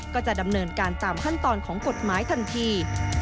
ก็จะดำเนินการตามขั้นตอนของกฎหมายทันที